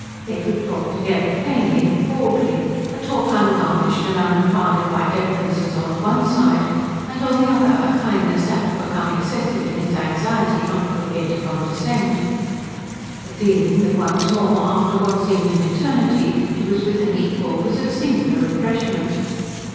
They could talk together plainly, baldly, a talk ungarnished and unretarded by deferences on the one side and on the other a kindness apt to become excessive in its anxiety not to appear to condescend. The feeling that once more after what seemed an eternity she was with an equal was of a singular refreshment.